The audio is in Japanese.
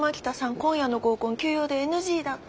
今夜の合コン急用でＮＧだって。